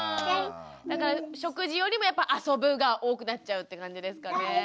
だから食事よりもやっぱ遊ぶが多くなっちゃうって感じですかね。